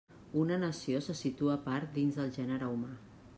Una nació se situa a part dins del gènere humà.